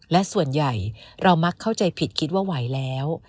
และส่วนใหญ่เรามักเข้าใจผิดคิดว่าไหวแล้ว